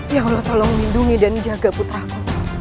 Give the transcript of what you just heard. ya allah tolong lindungi dan jaga putraku